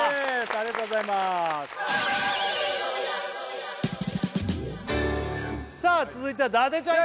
ありがとうございまーすさあ続いては伊達ちゃんい